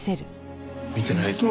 見てないですね。